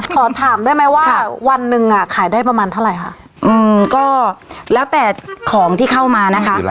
ขอถามได้ไหมว่าวันหนึ่งอ่ะขายได้ประมาณเท่าไหร่ค่ะอืมก็แล้วแต่ของที่เข้ามานะคะ